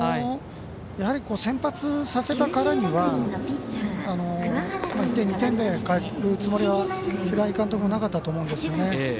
やはり先発させたからには１２点でかえるつもりは平井監督はなかったと思うんですよね。